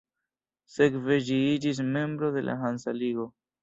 Sekve ĝi iĝis membro de la Hansa Ligo.